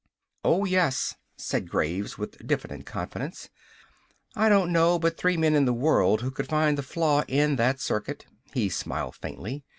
"Oh, yes!" said Graves, with diffident confidence. "I don't know but three men in the world who could find the flaw in that circuit." He smiled faintly.